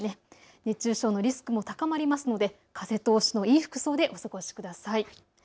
熱中症のリスクも高まりますので風通しのよい服装でお過ごしください。